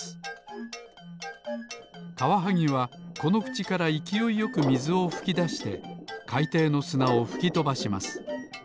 カワハギはこのくちからいきおいよくみずをふきだしてかいていのすなをふきとばします。